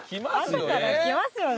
後からきますよね